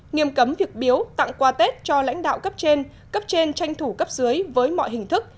nghiêm cấm việc biếu tặng quà tết cho lãnh đạo cấp trên cấp trên tranh thủ cấp dưới với mọi hình thức